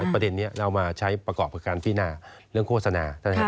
ประเด็นนี้เรามาใช้ประกอบกับการพินาเรื่องโฆษณา